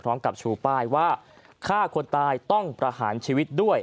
ชูป้ายว่าฆ่าคนตายต้องประหารชีวิตด้วย